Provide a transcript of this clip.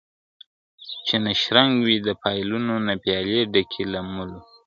چي نه شرنګ وي د پایلو نه پیالې ډکي له مُلو ..